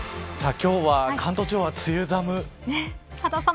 今日は関東地方は梅雨寒。